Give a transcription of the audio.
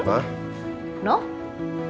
apa masalahnya dengan liana